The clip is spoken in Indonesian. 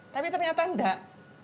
tapi ternyata enggak